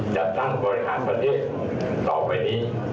จัดตั้งบริหารประเทศต่อไปนี้